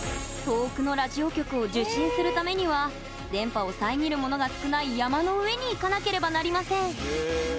遠くのラジオ局を受信するためには電波を遮るものが少ない山の上に行かなければなりません。